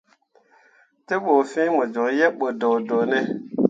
Te ɓu fiŋ mo coŋ yebɓo doodoone ?